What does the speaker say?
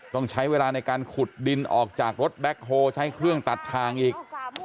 ต้องใช้เวลาในการขุดดินออกจากรถแบ็คโฮลใช้เครื่องตัดทางอีก